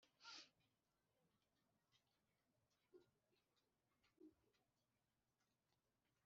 ibwo ibakamo yazahabu ariko yabuguze nabatari banyirabwo